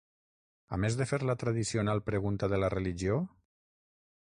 A més de fer la tradicional pregunta de la religió?